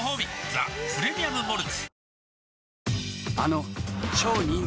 「ザ・プレミアム・モルツ」